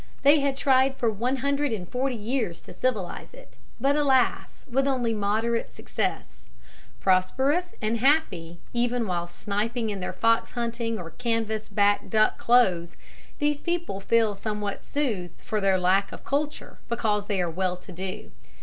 They had tried for one hundred and forty years to civilize it, but, alas, with only moderate success. Prosperous and happy even while sniping in their fox hunting or canvas back duck clothes, these people feel somewhat soothed for their lack of culture because they are well to do.